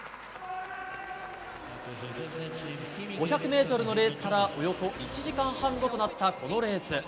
５００ｍのレースからおよそ１時間半後となったこのレース。